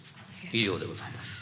以上でございます。